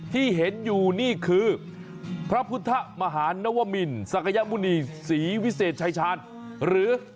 ที่เห็นอยู่นี่คือพระพุทธมหานวมินศักยมุณีศรีวิเศษชายชาญหรือ